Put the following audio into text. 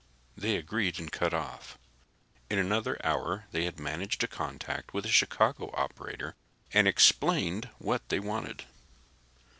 They agreed and cut off. In another hour they had managed a contact with a Chicago operator, and explained what they wanted.